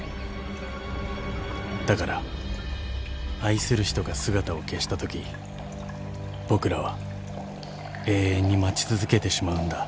［だから愛する人が姿を消したとき僕らは永遠に待ち続けてしまうんだ］